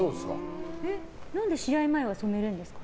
何で試合前は染めるんですか？